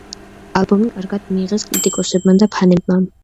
ალბომი კარგად მიიღეს კრიტიკოსებმა და ფანებმა.